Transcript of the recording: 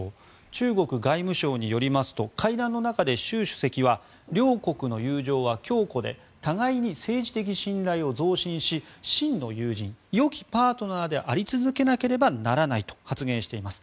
中国外務省によりますと会談の中で習主席は両国の友情は強固で互いに政治的信頼を増進し真の友人、よきパートナーであり続けなければならないと発言しています。